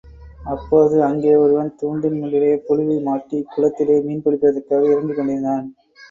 அப்போது, அங்கே ஒருவன் தூண்டில், முள்ளிலே புழுவை மாட்டிக் குளத்திலே மீன் பிடிப்பதற்காக இறங்கிக் கொண்டிருந்தான்.